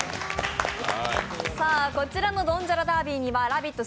こちらのドンジャラダービーにはラヴィット！